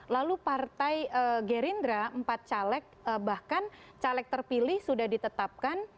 lalu partai gerindra empat caleg bahkan caleg terpilih sudah ditetapkan